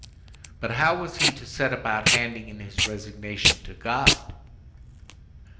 But how was he to set about handing in his resignation to God?